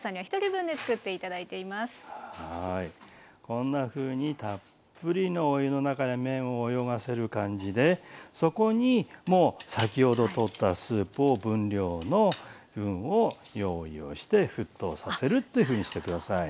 こんなふうにたっぷりのお湯の中で麺を泳がせる感じでそこにもう先ほどとったスープを分量の分を用意をして沸騰させるっていうふうにして下さい。